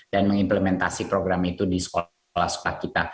dan mengimplementasi program itu di sekolah sekolah kita